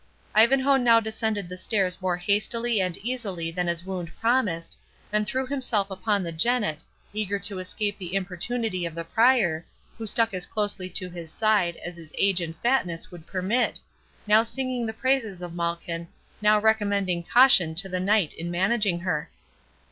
Ivanhoe now descended the stairs more hastily and easily than his wound promised, and threw himself upon the jennet, eager to escape the importunity of the Prior, who stuck as closely to his side as his age and fatness would permit, now singing the praises of Malkin, now recommending caution to the Knight in managing her.